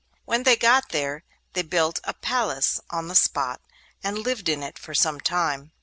When they got there, they built a palace on the spot, and lived in it for some time.